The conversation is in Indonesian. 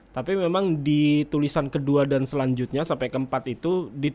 tapi memang di tulisan kedua dan selanjutnya sampai keempat itu